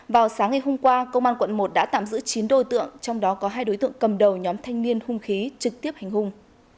vào sáng ngày hôm qua công an quận một đã tạm giữ chín đối tượng trong đó có hai đối tượng cầm đầu nhóm thanh niên hung khí trực tiếp hành hung